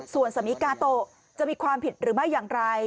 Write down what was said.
ส่วนสมิกาโตะจะมีความผิดหรือไม่อย่างไร